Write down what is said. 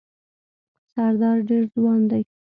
سردار ډېر ځوان دی.